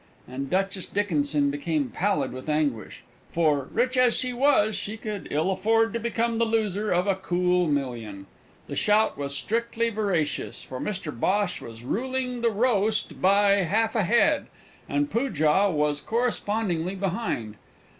and Duchess Dickinson became pallid with anguish, for, rich as she was, she could ill afford to become the loser of a cool million. The shout was strictly veracious, for Mr Bhosh was ruling the roast by half a head, and Poojah was correspondingly behind.